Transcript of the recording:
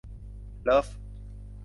เลิฟ